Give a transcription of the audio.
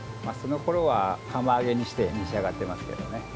そのころは釜揚げにして召し上がってますけどね。